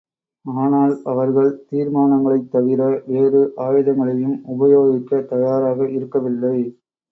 ஆனால் அவர்கள் தீர்மானங்களைத் தவிர வேறு ஆயுதங்களையும் உபயோகிக்கத் தயாராக இருக்கவில்லை.